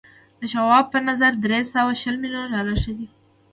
د شواب په نظر درې سوه شل ميليونه ډالر ښه و